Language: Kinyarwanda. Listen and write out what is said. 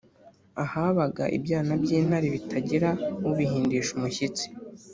ahabaga ibyana by’intare bitagira ubihindisha umushyitsi